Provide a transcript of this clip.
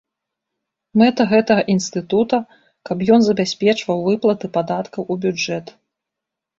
Мэта гэтага інстытута, каб ён забяспечваў выплаты падаткаў у бюджэт.